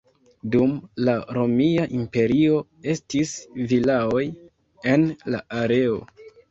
Dum la Romia Imperio estis vilaoj en la areo.